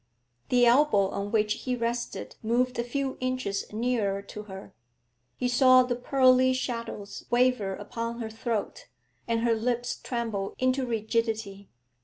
The elbow on which he rested moved a few inches nearer to her. He saw the pearly shadows waver upon her throat, and her lips tremble into rigidity.